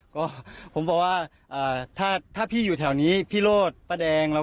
ก็ผมบอกว่าอ่าถ้าถ้าพี่อยู่แถวนี้พี่โรดป้าแดงแล้ว